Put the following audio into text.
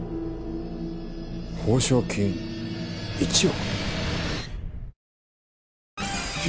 報奨金１億！？